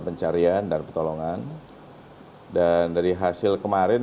ferdi ilyas simaluun